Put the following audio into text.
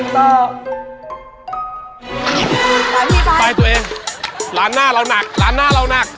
ก็ไปตัวเองร้านหน้าเราหนักร้านหน้าเราหนัก